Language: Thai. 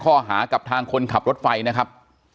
ข้อหากับทางคนขับรถไฟนะครับ